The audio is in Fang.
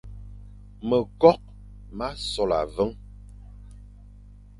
Mekokh ma sola meveñ,